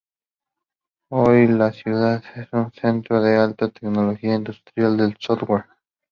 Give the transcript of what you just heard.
Hoy la ciudad es un centro de alta tecnología e industria del software.